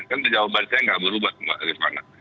kan jawaban saya gak berubah mbak irvana